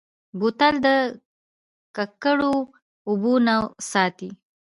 بوتل د ککړو اوبو نه ساتي.